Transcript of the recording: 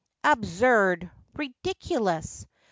'Absurd, ridiculous!